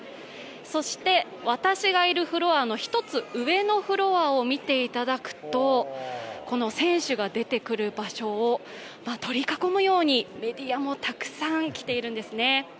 そして私がいるフロアの１つ上のフロアを見ていただくと選手が出てくる場所を取り囲むようにメディアもたくさん来ているんですね。